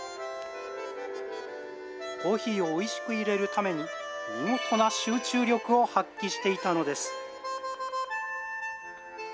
コーヒーをおいしくいれるために、見事な集中力を発揮していたのです。